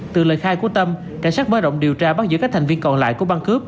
từ lời khai của tâm cảnh sát mở rộng điều tra bắt giữ các thành viên còn lại của băng cướp